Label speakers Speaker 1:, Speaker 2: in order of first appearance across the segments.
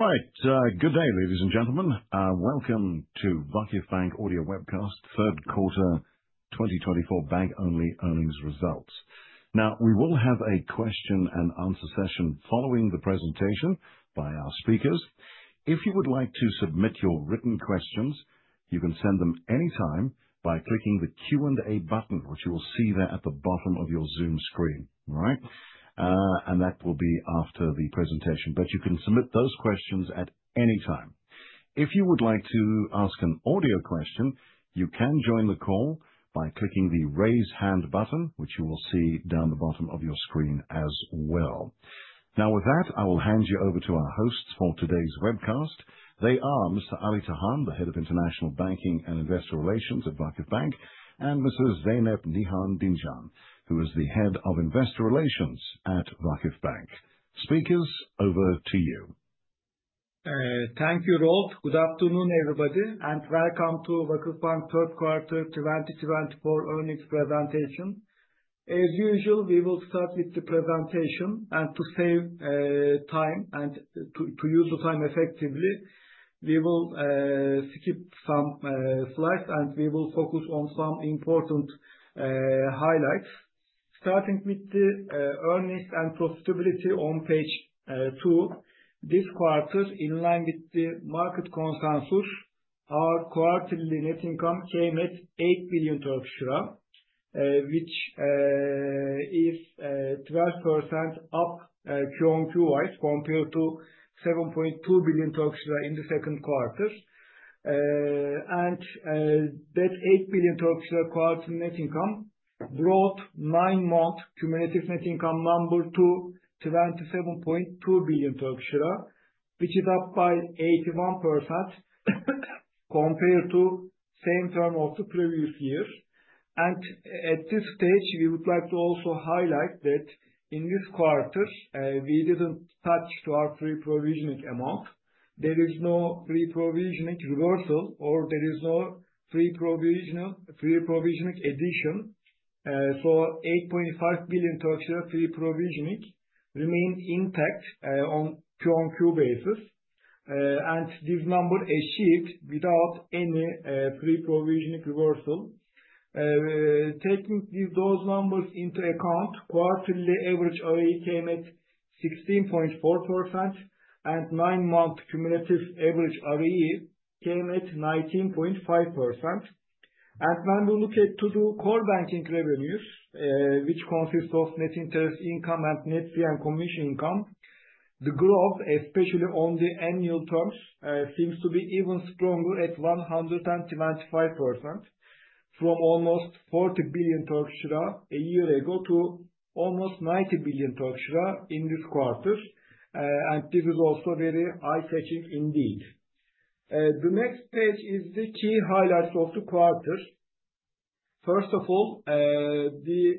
Speaker 1: Right. Good day, ladies and gentlemen. Welcome to VakıfBank Audio Webcast, third quarter 2024 bank only earnings results. Now, we will have a question and answer session following the presentation by our speakers. If you would like to submit your written questions, you can send them anytime by clicking the Q&A button, which you will see there at the bottom of your Zoom screen. All right? That will be after the presentation, but you can submit those questions at any time. If you would like to ask an audio question, you can join the call by clicking the raise hand button, which you will see down the bottom of your screen as well. Now with that, I will hand you over to our hosts for today's webcast. They are Mr. Ali Tahan, Head of International Banking and Investor Relations at VakıfBank, and Mrs. Zeynep Nihan Dincel, who is the Head of Investor Relations at VakıfBank. Speakers, over to you.
Speaker 2: Thank you, Rob. Good afternoon, everybody, and welcome to VakıfBank third quarter 2024 earnings presentation. As usual, we will start with the presentation. To save time and to use the time effectively, we will skip some slides, and we will focus on some important highlights. Starting with the earnings and profitability on page two. This quarter, in line with the market consensus, our quarterly net income came at 8 billion Turkish lira, which is 12% up Q-on-Q-wise compared to 7.2 billion Turkish lira in the second quarter. That 8 billion Turkish lira quarterly net income brought nine month cumulative net income number to 27.2 billion Turkish lira, which is up by 81% compared to same term of the previous year. At this stage, we would like to also highlight that in this quarter, we didn't touch to our pre-provisioning amount. There is no pre-provisioning reversal, or there is no pre-provisioning addition. So TRY 8.5 billion pre-provisioning remains intact on Q-on-Q basis. And this number achieved without any pre-provisioning reversal. Taking those numbers into account, quarterly average ROE came at 16.4%, and nine month cumulative average ROE came at 19.5%. When we look at to the core banking revenues, which consists of net interest income and net fee and commission income, the growth, especially on the annual terms, seems to be even stronger at 125% from almost 40 billion Turkish lira a year ago to almost 90 billion Turkish lira in this quarter. This is also very eye-catching indeed. The next page is the key highlights of the quarter. First of all, the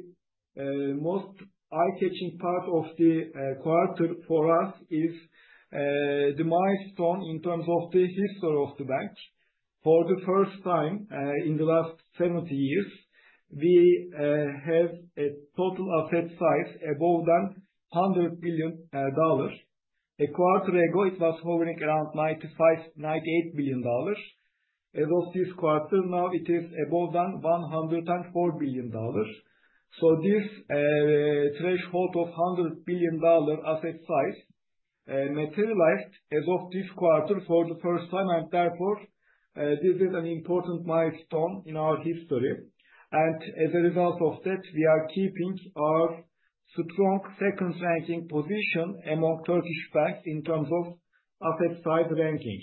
Speaker 2: most eye-catching part of the quarter for us is the milestone in terms of the history of the bank. For the first time, in the last 70 years, we have a total asset size above than $100 billion. A quarter ago, it was hovering around $95 billion-$98 billion. As of this quarter, now it is above than $104 billion. This threshold of $100 billion asset size materialized as of this quarter for the first time, and therefore, this is an important milestone in our history. As a result of that, we are keeping our strong second ranking position among Turkish banks in terms of asset size ranking.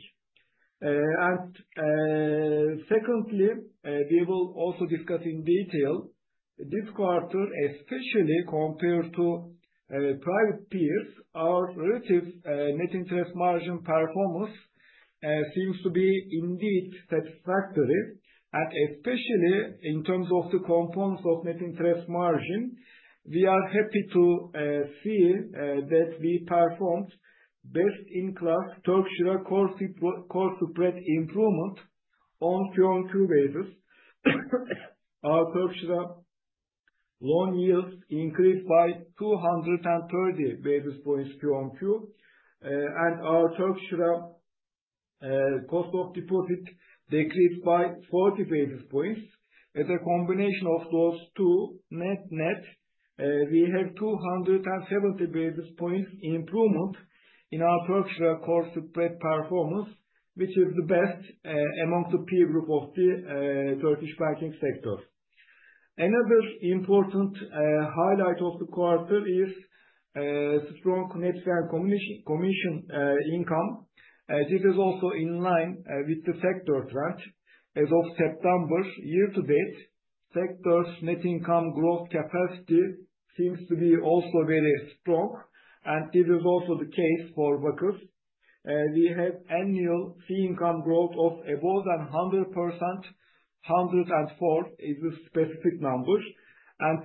Speaker 2: Secondly, we will also discuss in detail this quarter, especially compared to private peers, our relative net interest margin performance seems to be indeed satisfactory. Especially in terms of the components of net interest margin, we are happy to see that we performed best-in-class Turkish lira cost to spread improvement on Q-on-Q basis. Our Turkish lira loan yields increased by 230 basis points Q-on-Q. Our Turkish lira cost of deposit decreased by 40 basis points. As a combination of those two net-net, we have 270 basis points improvement in our Turkish lira cost to spread performance, which is the best among the peer group of the Turkish banking sector. Another important highlight of the quarter is strong net fee and commission income. This is also in line with the sector trend. As of September year to date, sector's net income growth capacity seems to be also very strong. This is also the case for Vakıf. We have annual fee income growth of above 100%. 104% is the specific number.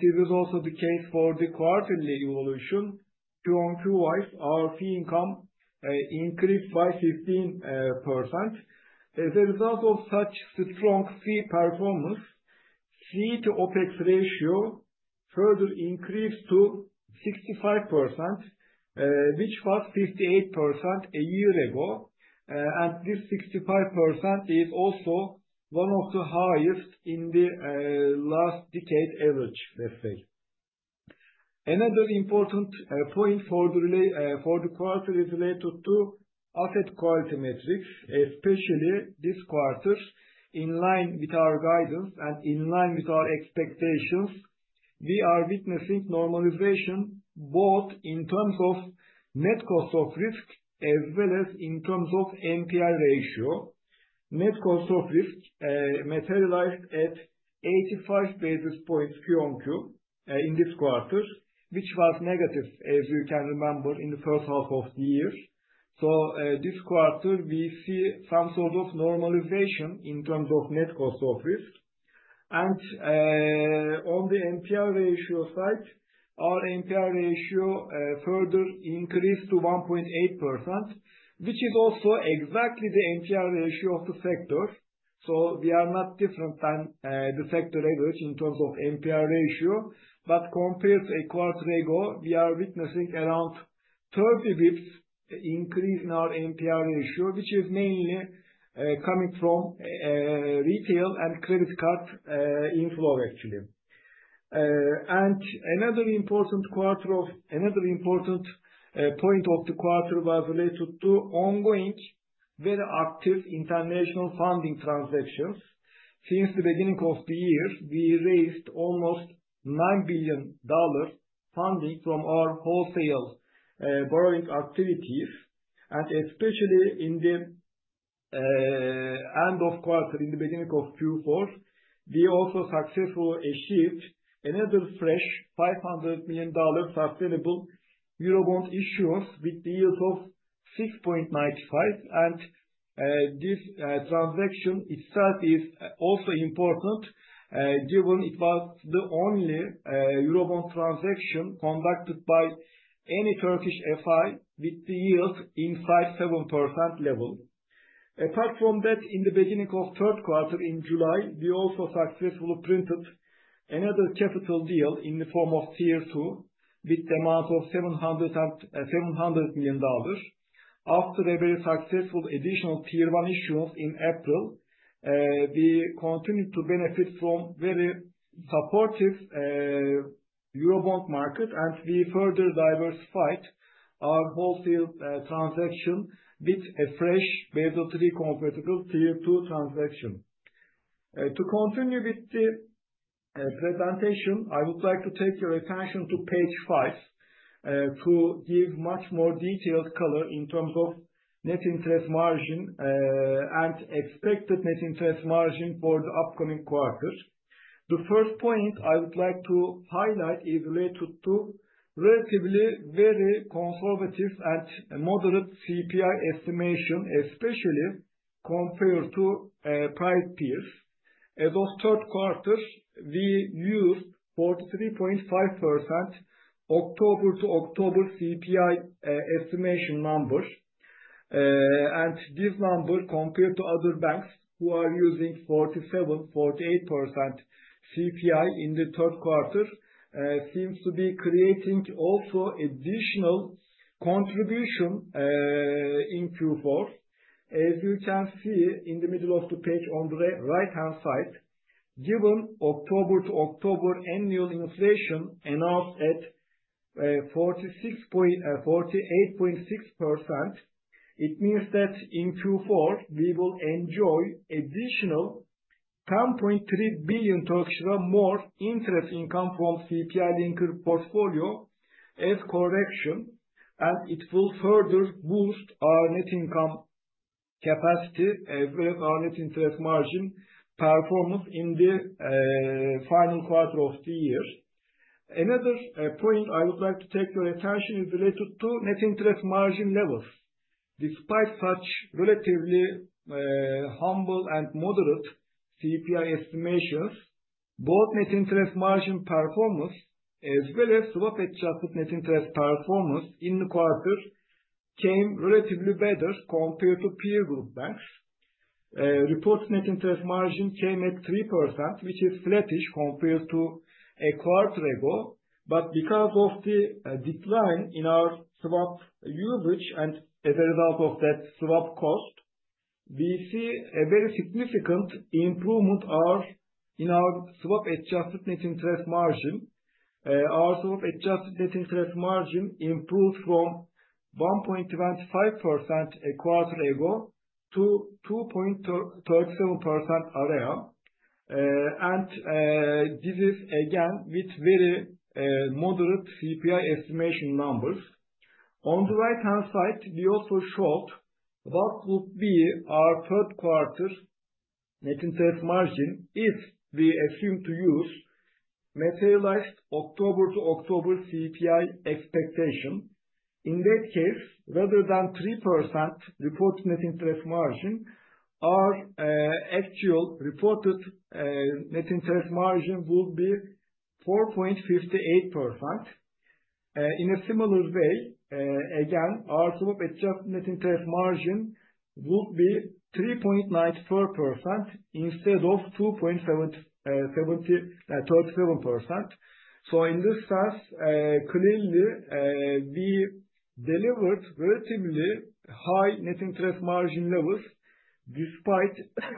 Speaker 2: This is also the case for the quarterly evolution. Q-on-Q-wise, our fee income increased by 15%. As a result of such strong fee performance, NII to OpEx ratio further increased to 65%, which was 58% a year ago. This 65% is also one of the highest in the last decade average, let's say. Another important point for the quarter is related to asset quality metrics, especially this quarter, in line with our guidance and in line with our expectations. We are witnessing normalization, both in terms of net cost of risk as well as in terms of NPL ratio. Net cost of risk materialized at 85 basis points Q-on-Q in this quarter, which was negative, as you can remember, in the first half of the year. This quarter we see some sort of normalization in terms of net cost of risk. On the NPL ratio side, our NPL ratio further increased to 1.8%, which is also exactly the NPL ratio of the sector. We are not different than the sector average in terms of NPL ratio. Compared to a quarter ago, we are witnessing around 30 BPS increase in our NPL ratio, which is mainly coming from retail and credit card inflow, actually. Another important point of the quarter was related to ongoing very active international funding transactions. Since the beginning of the year, we raised almost $9 billion funding from our wholesale borrowing activities. Especially in the end of quarter, in the beginning of Q4, we also successfully achieved another fresh $500 million sustainable Eurobond issuance with yield of 6.95%. This transaction itself is also important given it was the only Eurobond transaction conducted by any Turkish FI with the yield in 5.7% level. Apart from that, in the beginning of third quarter in July, we also successfully printed another capital deal in the form of Tier 2 with amount of $700 million. After a very successful additional Tier 1 issuance in April, we continued to benefit from very supportive Eurobond market, and we further diversified our wholesale transaction with a fresh Basel III compatible Tier 2 transaction. To continue with the presentation, I would like to take your attention to page five to give much more detailed color in terms of net interest margin and expected net interest margin for the upcoming quarter. The first point I would like to highlight is related to relatively very conservative and moderate CPI estimation, especially compared to private peers. As of third quarter, we used 43.5% October to October CPI estimation number. This number, compared to other banks who are using 47%, 48% CPI in the third quarter, seems to be creating also additional contribution in Q4. As you can see in the middle of the page on the right-hand side, given October to October annual inflation announced at 48.6%, it means that in Q4 we will enjoy additional 10.3 billion more interest income from CPI-linked portfolio as correction, and it will further boost our net income capacity as well as our net interest margin performance in the final quarter of the year. Another point I would like to draw your attention to is related to net interest margin levels. Despite such relatively humble and moderate CPI estimations, both net interest margin performance as well as swap-adjusted net interest margin performance in the quarter came relatively better compared to peer group banks. Reported net interest margin came at 3%, which is flattish compared to a quarter ago. Because of the decline in our swap usage and as a result of that swap cost, we see a very significant improvement in our swap-adjusted net interest margin. Our swap-adjusted net interest margin improved from 1.25% a quarter ago to 2.37% area. This is again with very moderate CPI estimation numbers. On the right-hand side, we also showed what would be our third quarter net interest margin if we assumed to use materialized October to October CPI expectation. In that case, rather than 3% reported net interest margin, our actual reported net interest margin would be 4.58%. In a similar way, again, our total adjustment in interest margin would be 3.94% instead of 2.37%. In this sense, clearly, we delivered relatively high net interest margin levels despite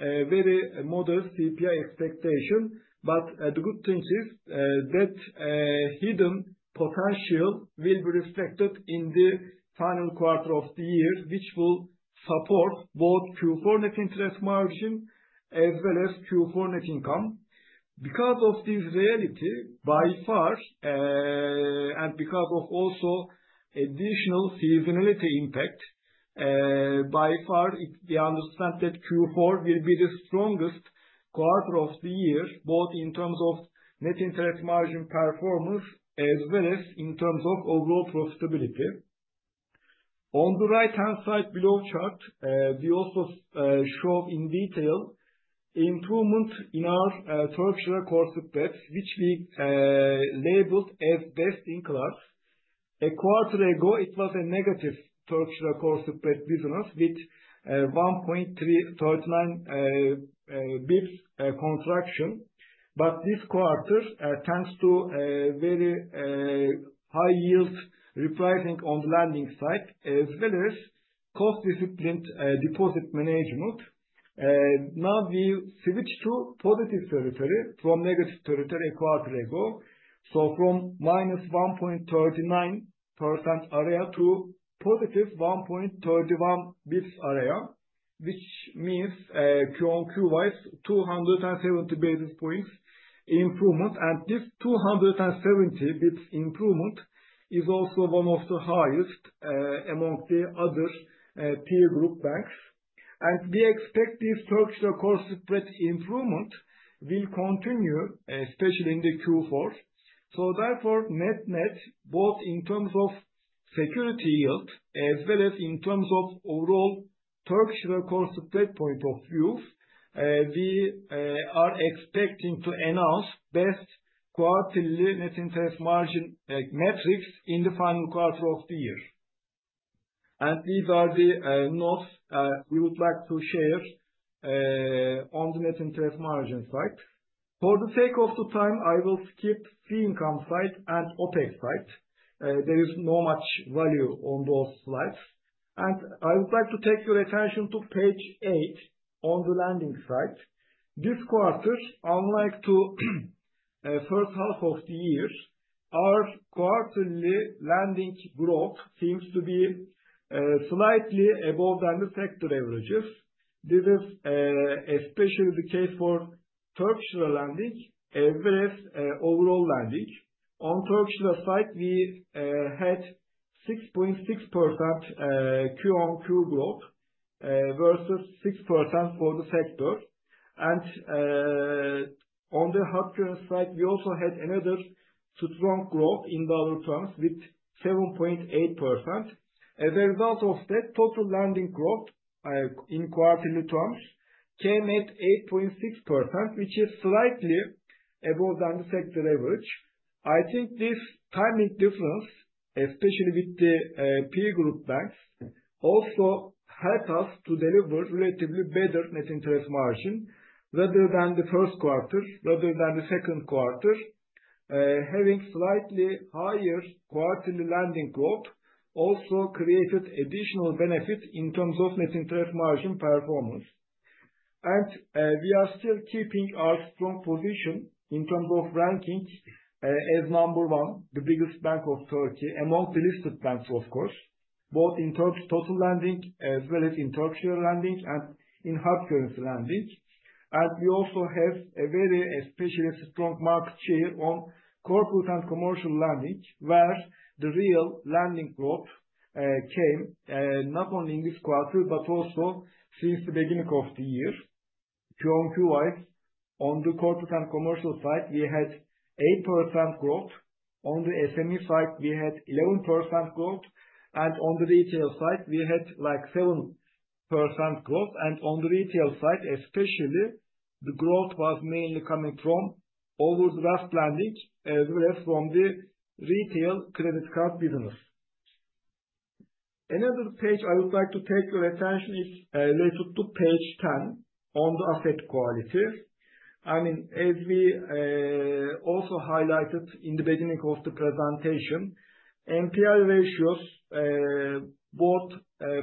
Speaker 2: a very modest CPI expectation. The good things is that hidden potential will be reflected in the final quarter of the year, which will support both Q4 net interest margin as well as Q4 net income. Because of this reality, by far, and because of also additional seasonality impact, we understand that Q4 will be the strongest quarter of the year, both in terms of net interest margin performance as well as in terms of overall profitability. On the right-hand side below chart, we also show in detail improvement in our Turkish lira cost of debt, which we labeled as best in class. A quarter ago, it was a negative Turkish lira cost of debt business with 1.339 bps contraction. This quarter, thanks to very high yield repricing on the lending side as well as cost-disciplined deposit management, now we switch to positive territory from negative territory a quarter ago. From minus 1.39% area to positive 1.31 bps area, which means Q-on-Q-wise, 270 basis points improvement. This 270 bps improvement is also one of the highest among the other peer group banks. We expect this Turkish lira cost of debt improvement will continue, especially in the Q4. net-net, both in terms of security yield as well as in terms of overall Turkish lira cost of debt point of view, we are expecting to announce best quarterly net interest margin metrics in the final quarter of the year. These are the notes we would like to share on the net interest margin slide. For the sake of the time, I will skip fee income slide and OpEx slide. There is not much value on those slides. I would like to take your attention to page eight on the lending slide. This quarter, unlike the first half of the year, our quarterly lending growth seems to be slightly above than the sector averages. This is especially the case for Turkish lira lending as well as overall lending. On Turkish lira side, we had 6.6% Q-on-Q growth versus 6% for the sector. On the hard currency side, we also had another strong growth in dollar terms with 7.8%. As a result of that, total lending growth in quarterly terms came at 8.6%, which is slightly above than the sector average. I think this timing difference, especially with the peer group banks, also helped us to deliver relatively better net interest margin rather than the first quarter, rather than the second quarter. Having slightly higher quarterly lending growth also created additional benefit in terms of net interest margin performance. We are still keeping our strong position in terms of ranking as number one, the biggest bank of Turkey among the listed banks, of course, both in total lending as well as in Turkish lira lending and in hard currency lending. We also have a very especially strong market share on corporate and commercial lending, where the real lending growth came not only in this quarter but also since the beginning of the year. Q-on-Q-wise, on the corporate and commercial side, we had 8% growth. On the SME side, we had 11% growth. On the retail side, we had, like, 7% growth. On the retail side especially, the growth was mainly coming from overdraft lending as well as from the retail credit card business. Another page I would like to take your attention is related to page 10 on the asset quality. I mean, as we also highlighted in the beginning of the presentation, NPL ratios both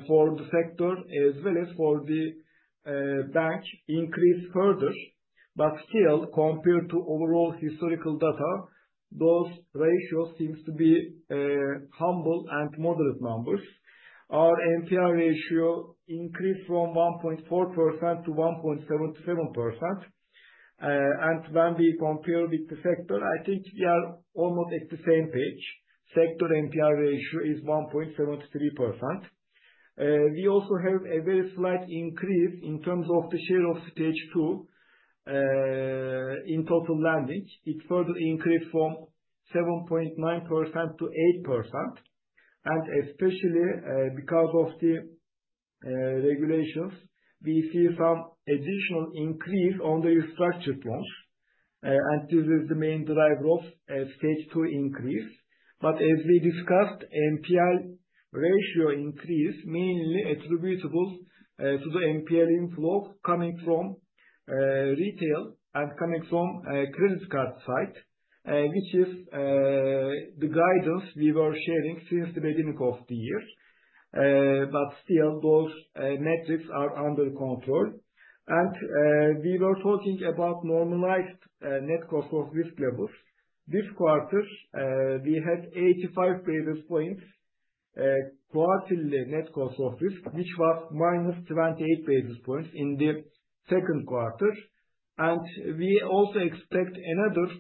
Speaker 2: for the sector as well as for the bank increased further. But still, compared to overall historical data, those ratios seems to be humble and moderate numbers. Our NPL ratio increased from 1.4% to 1.77%. When we compare with the sector, I think we are almost at the same page. Sector NPL ratio is 1.73%. We also have a very slight increase in terms of the share of Stage 2 in total lending. It further increased from 7.9% to 8%. Especially, because of regulations. We see some additional increase on the restructured loans, and this is the main driver of stage 2 increase. As we discussed, NPL ratio increase mainly attributable to the NPL inflow coming from retail and coming from credit card side, which is the guidance we were sharing since the beginning of the year. Still those metrics are under control. We were talking about normalized net cost of risk levels. This quarter, we had 85 basis points quarterly net cost of risk, which was -28 basis points in the second quarter. We also expect another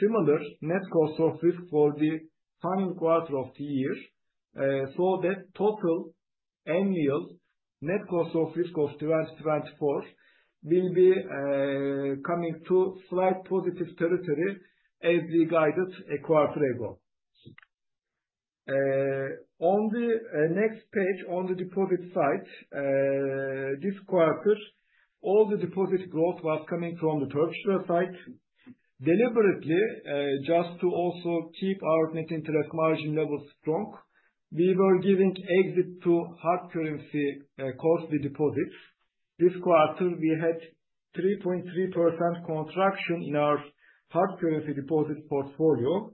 Speaker 2: similar net cost of risk for the final quarter of the year. That total annual net cost of risk of 2024 will be coming to slight positive territory as we guided a quarter ago. On the next page, on the deposit side, this quarter, all the deposit growth was coming from the Turkish lira side. Deliberately, just to also keep our net interest margin levels strong, we were giving exit to hard currency costly deposits. This quarter we had 3.3% contraction in our hard currency deposit portfolio.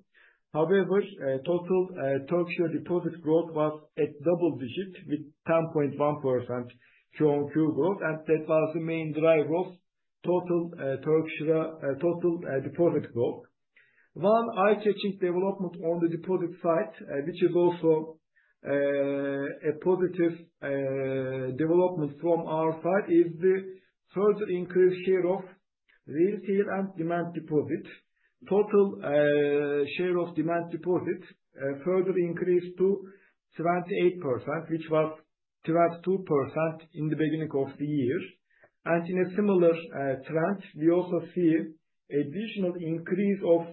Speaker 2: However, total Turkish lira deposit growth was at double digits with 10.1% Q-on-Q growth, and that was the main driver of total Turkish lira deposit growth. One eye-catching development on the deposit side, which is also a positive development from our side, is the further increased share of retail and demand deposits. Total share of demand deposits further increased to 28%, which was 22% in the beginning of the year. In a similar trend, we also see additional increase of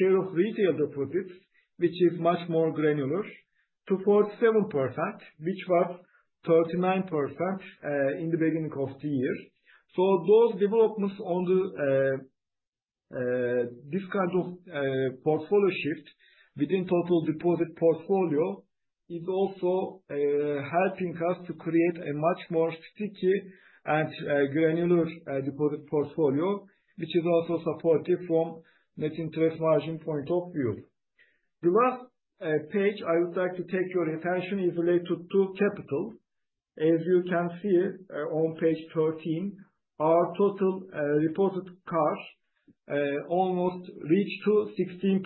Speaker 2: share of retail deposits, which is much more granular, to 47%, which was 39% in the beginning of the year. Those developments on this kind of portfolio shift within total deposit portfolio is also helping us to create a much more sticky and granular deposit portfolio, which is also supportive from net interest margin point of view. The last page I would like to draw your attention to is related to capital. As you can see, on page 13, our total reported CAR almost reached 16%.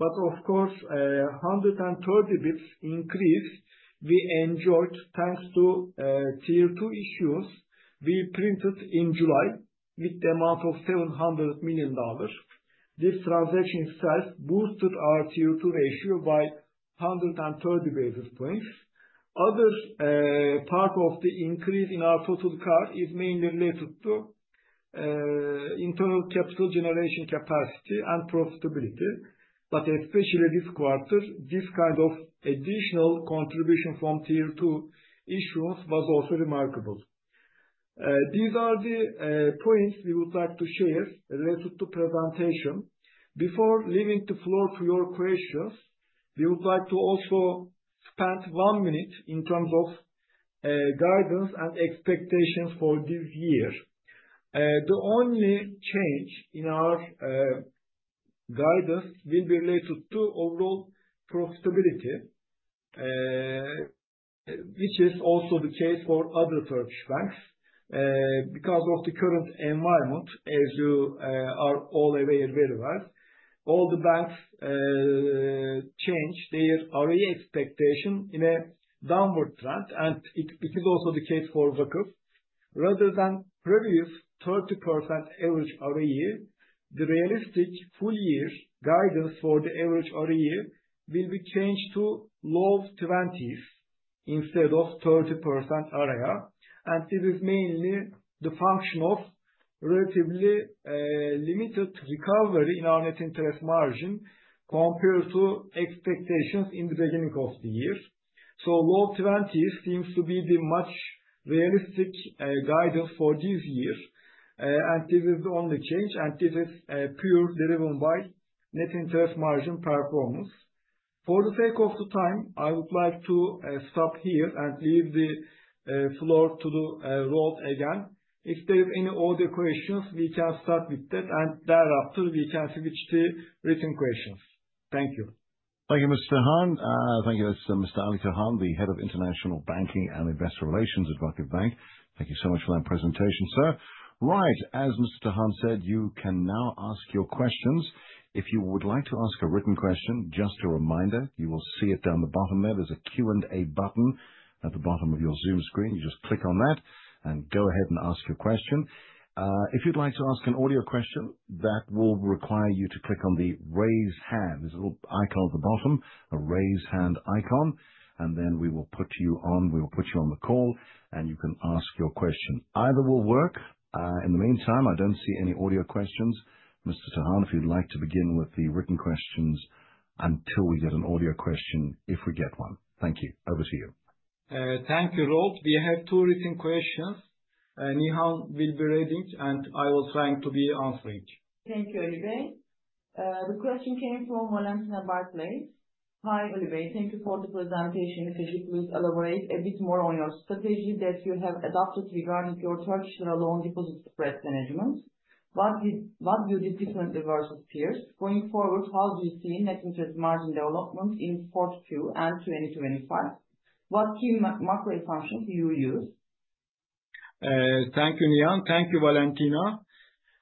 Speaker 2: Of course, 130 basis points increase we enjoyed, thanks to Tier 2 issues we printed in July with the amount of $700 million. This transaction size boosted our Tier 2 ratio by 130 basis points. Other part of the increase in our total CAR is mainly related to internal capital generation capacity and profitability. Especially this quarter, this kind of additional contribution from Tier 2 issuance was also remarkable. These are the points we would like to share related to presentation. Before leaving the floor for your questions, we would like to also spend one minute in terms of guidance and expectations for this year. The only change in our guidance will be related to overall profitability, which is also the case for other Turkish banks. Because of the current environment, as you are all aware very well, all the banks change their ROE expectation in a downward trend, and it is also the case for VakıfBank. Rather than previous 30% average ROE, the realistic full-year guidance for the average ROE will be changed to low twenties instead of 30% ROEA. This is mainly the function of relatively limited recovery in our net interest margin compared to expectations in the beginning of the year. Low twenties seems to be a much more realistic guidance for this year. This is the only change, and this is purely driven by net interest margin performance. For the sake of the time, I would like to stop here and leave the floor to the Rob again. If there are any audio questions, we can start with that, and thereafter we can switch to written questions. Thank you.
Speaker 1: Thank you, Mr. Tahan. Thank you. That's Mr. Ali Tahan, the Head of International Banking and Investor Relations at VakıfBank. Thank you so much for that presentation, sir. Right. As Mr. Tahan said, you can now ask your questions. If you would like to ask a written question, just a reminder, you will see it down the bottom there. There's a Q&A button at the bottom of your Zoom screen. You just click on that and go ahead and ask your question. If you'd like to ask an audio question, that will require you to click on the raise hand. There's a little icon at the bottom, a raise hand icon, and then we will put you on the call, and you can ask your question. Either will work. In the meantime, I don't see any audio questions. Mr. Tahan, if you'd like to begin with the written questions until we get an audio question, if we get one. Thank you. Over to you.
Speaker 2: Thank you, Rob. We have two written questions. Nihan will be reading, and I will trying to be answering.
Speaker 3: Thank you, Ali Tahan. The question came from Valentina, Barclays. Hi, Ali Tahan. Thank you for the presentation. If you could please elaborate a bit more on your strategy that you have adopted regarding your Turkish loan-deposit spread management. What would be different versus peers? Going forward, how do you see net interest margin development in Q4 and 2025? What key macro assumptions do you use?
Speaker 2: Thank you, Nihan. Thank you, Valentina.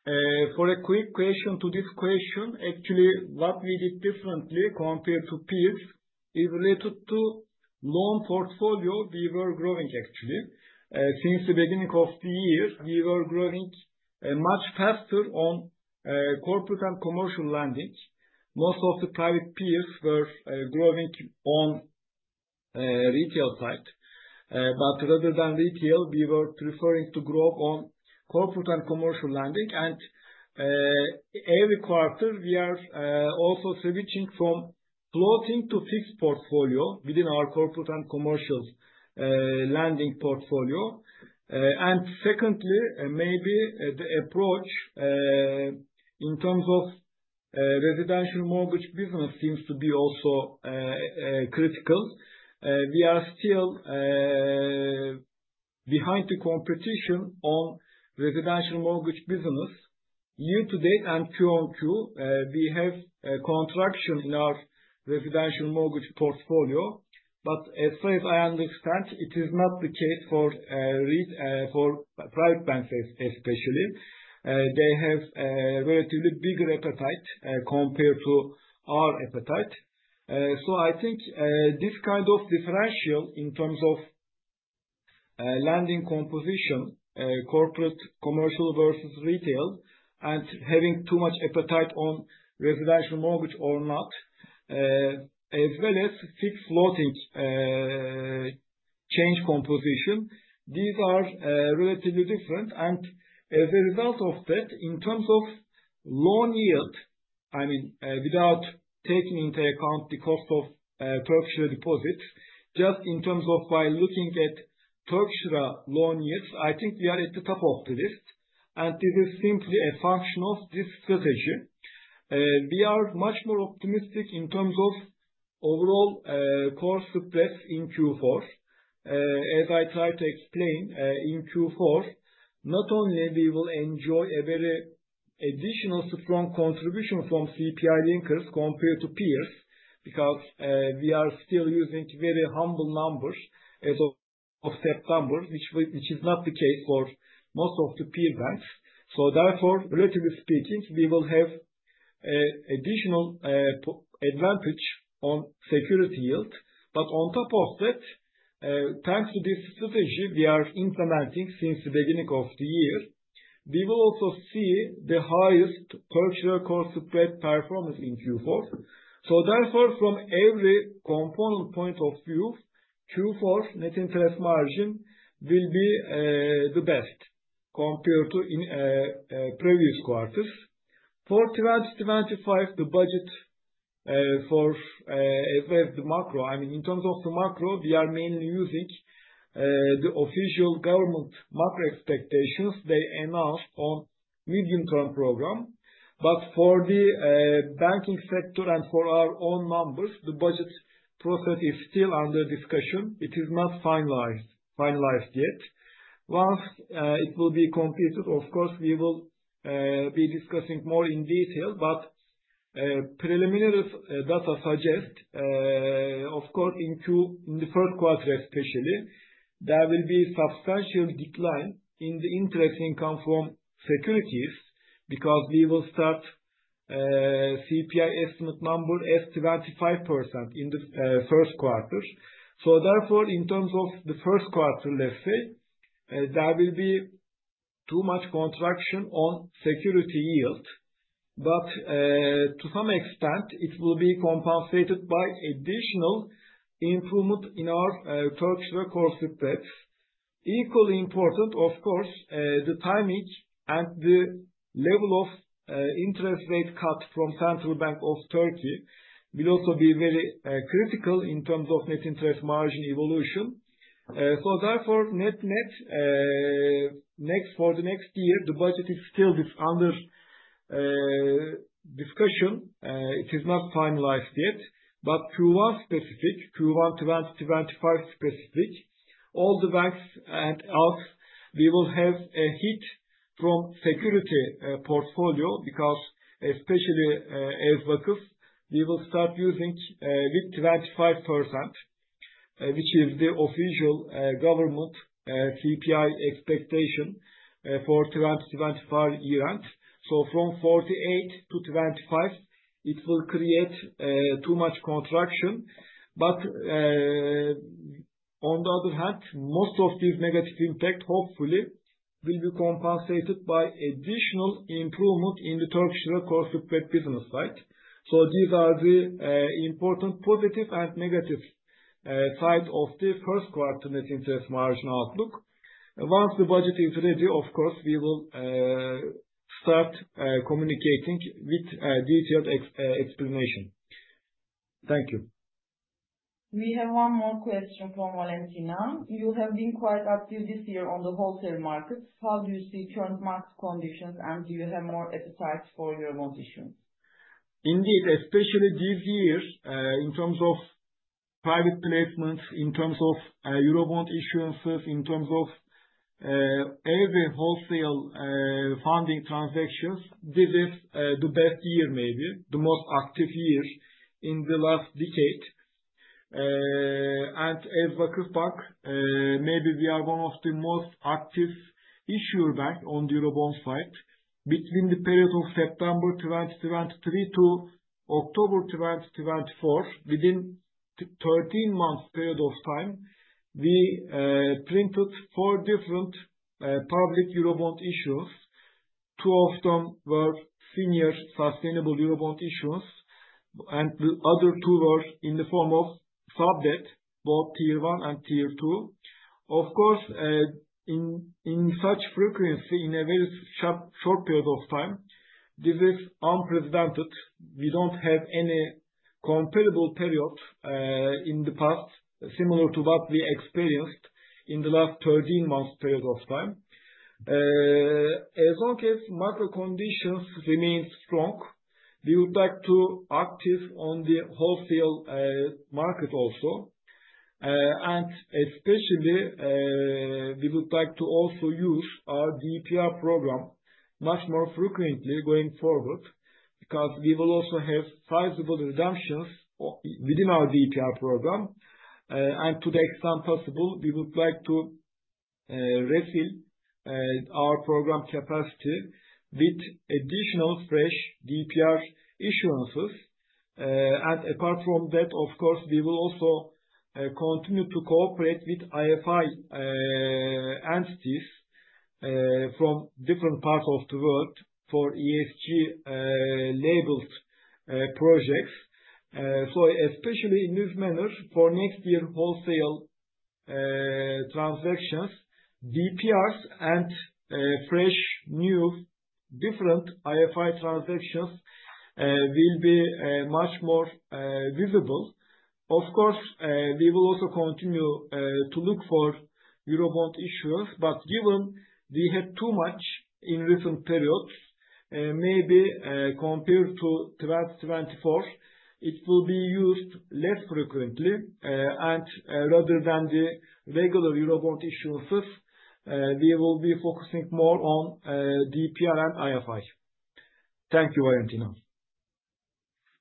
Speaker 2: To answer this question, actually, what we did differently compared to peers is related to loan portfolio we were growing actually. Since the beginning of the year, we were growing much faster on corporate and commercial lending. Most of the private peers were growing on retail side. But rather than retail, we were preferring to grow on corporate and commercial lending. Every quarter, we are also switching from floating to fixed portfolio within our corporate and commercial lending portfolio. Secondly, maybe the approach in terms of residential mortgage business seems to be also critical. We are still behind the competition on residential mortgage business. Year to date and Q-on-Q, we have a contraction in our residential mortgage portfolio. As far as I understand, it is not the case for private banks especially. They have relatively bigger appetite compared to our appetite. I think this kind of differential in terms of lending composition, corporate commercial versus retail, and having too much appetite on residential mortgage or not, as well as fixed floating change composition, these are relatively different. As a result of that, in terms of loan yield, I mean, without taking into account the cost of Turkish deposits, just in terms of by looking at Turkish loan yields, I think we are at the top of the list, and this is simply a function of this strategy. We are much more optimistic in terms of overall core spreads in Q4. As I try to explain, in Q4, not only we will enjoy a very additional strong contribution from CPI linkers compared to peers, because we are still using very humble numbers as of September, which is not the case for most of the peer banks. Relatively speaking, we will have additional positive advantage on security yield. On top of that, thanks to this strategy we are implementing since the beginning of the year, we will also see the highest purchase core spread performance in Q4. From every component point of view, Q4's net interest margin will be the best compared to previous quarters. For 2025, the budget, as well as the macro, I mean, in terms of the macro, we are mainly using the official government macro expectations they announce on Medium-Term Program. For the banking sector and for our own numbers, the budget process is still under discussion. It is not finalized yet. Once it will be completed, of course, we will be discussing more in detail. Preliminary data suggest, of course, in the first quarter especially, there will be substantial decline in the interest income from securities because we will start CPI estimate number as 25% in the first quarter. Therefore, in terms of the first quarter, let's say, there will be too much contraction on security yield. To some extent, it will be compensated by additional improvement in our Turkish core spread. Equally important, of course, the timing and the level of interest rate cut from Central Bank of the Republic of Türkiye will also be very critical in terms of net interest margin evolution. So therefore, net-net, for the next year, the budget is under discussion. It is not finalized yet. Q1 2025 specific, all the banks and us, we will have a hit from securities portfolio because especially, as Vakıf, we will start using with 25%, which is the official government CPI expectation for 2025 year-end. From 48 to 25, it will create too much contraction. On the other hand, most of this negative impact, hopefully, will be compensated by additional improvement in the Turkish core spread business, right? These are the important positive and negatives side of the first quarter net interest margin outlook. Once the budget is ready, of course, we will start communicating with detailed explanation. Thank you.
Speaker 3: We have one more question from Valentina. You have been quite active this year on the wholesale markets. How do you see current market conditions, and do you have more appetite for Eurobond issuance?
Speaker 2: Indeed. Especially this year, in terms of private placements, in terms of, Eurobond issuances, in terms of, every wholesale, funding transactions. This is, the best year, maybe the most active year in the last decade. As VakıfBank, maybe we are one of the most active issuer bank on the Eurobond side. Between the period of September 2023 to October 2024, within thirteen months period of time, we, printed four different, public Eurobond issues. Two of them were senior sustainable Eurobond issuance, and the other two were in the form of sub debt, both Tier 1 and Tier 2. Of course, in such frequency in a very sharp, short period of time, this is unprecedented. We don't have any comparable period in the past, similar to what we experienced in the last 13 months period of time. As long as market conditions remain strong, we would like to be active on the wholesale market also. Especially, we would like to also use our DPR program much more frequently going forward because we will also have sizable redemptions within our DPR program. To the extent possible, we would like to refill our program capacity with additional fresh DPR issuances. Apart from that, of course, we will also continue to cooperate with IFI entities from different parts of the world for ESG-labeled projects. Especially in this manner for next year, wholesale transactions, DPRs and fresh, new, different IFI transactions will be much more visible. Of course, we will also continue to look for Eurobond issuers, but given we had too much in recent periods, maybe compared to 2024, it will be used less frequently. Rather than the regular Eurobond issuances, we will be focusing more on DPR and IFI. Thank you, Valentina.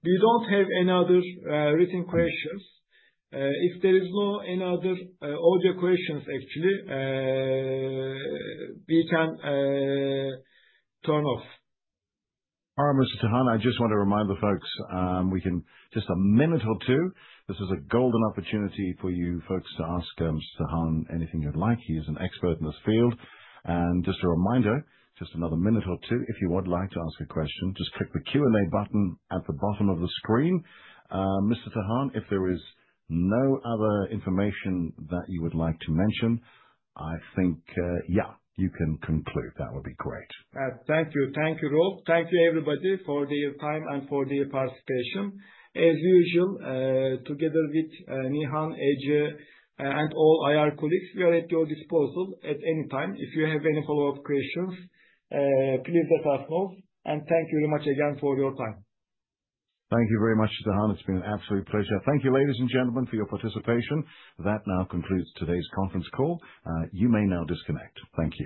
Speaker 2: We don't have any other written questions. If there is no any other audio questions, actually, we can turn off.
Speaker 1: All right, Mr. Tahan. I just want to remind the folks. Just a minute or two. This is a golden opportunity for you folks to ask Mr. Tahan anything you'd like. He is an expert in this field. Just a reminder, just another minute or two, if you would like to ask a question, just click the Q&A button at the bottom of the screen. Mr. Tahan, if there is no other information that you would like to mention, I think, yeah, you can conclude. That would be great.
Speaker 2: Thank you. Thank you, Rob. Thank you, everybody, for your time and for your participation. As usual, together with Nihan, Ece, and all IR colleagues, we are at your disposal at any time. If you have any follow-up questions, please let us know. Thank you very much again for your time.
Speaker 1: Thank you very much, Tahan. It's been an absolute pleasure. Thank you, ladies and gentlemen, for your participation. That now concludes today's conference call. You may now disconnect. Thank you.